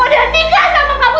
adalah nikah sama kamu